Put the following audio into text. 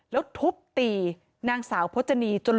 แล้วทุบตีนางสาวโพจิณีย์จนล้มลง